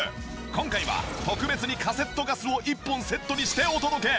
今回は特別にカセットガスを１本セットにしてお届け。